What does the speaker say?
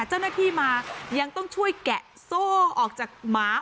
เจ้าหน้าที่มายังต้องช่วยแกะโซ่ออกจากหมา